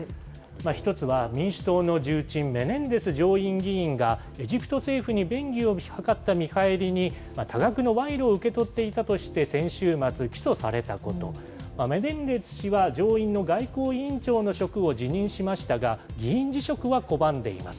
１つは民主党の重鎮、メネンデス上院議員が、エジプト政府に便宜を図った見返りに、多額の賄賂を受け取っていたとして、先週末、起訴されたこと、メネンデス氏は上院の外交委員長の職を辞任しましたが、議員辞職は拒んでいます。